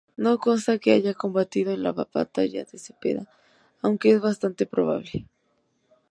No consta que haya combatido en la batalla de Cepeda, aunque es bastante probable.